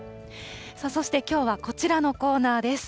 そしてきょうはこちらのコーナーです。